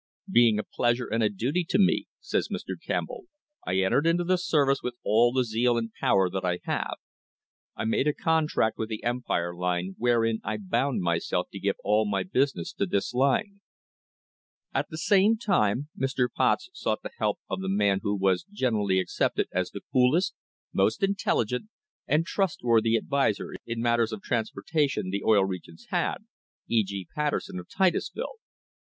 "Being a pleasure and a duty to me," says Mr. Campbell, "I entered into the service with all the zeal and power that I have. I made a contract with the Empire Line wherein I bound myself to give all my business to this line." At the same time Mr. Potts sought the help of the man who was generally accepted as the coolest, most intelligent, and trustworthy adviser in matters of transporta tion the Oil Regions had, E. G. Patterson, of Titusville. Mr.